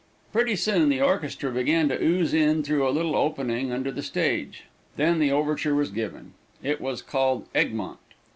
Pretty soon the orchestra began to ooze in through a little opening under the stage. Then the overture was given. It was called "Egmont."